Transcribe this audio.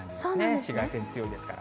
紫外線強いですから。